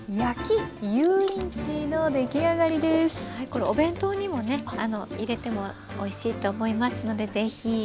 これお弁当にもね入れてもおいしいと思いますのでぜひ。